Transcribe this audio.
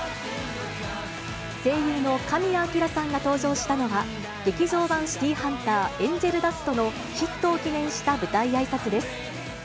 声優の神谷明さんが登場したのは、劇場版シティーハンター天使の涙のヒットを記念した舞台あいさつ